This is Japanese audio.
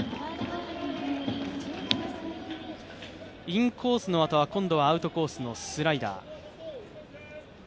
インコースのあとはアウトコースのスライダー。